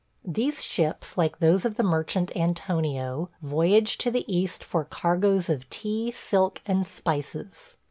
These ships, like those of the merchant Antonio, voyage to the East for cargoes of tea, silk, and spices.